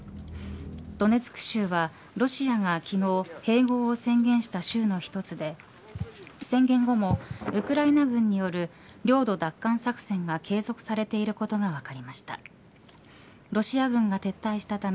ドネツク州はロシアが昨日併合を宣言した州の一つで宣言後もウクライナ軍による領土奪還作戦が継続されていることが分かりました。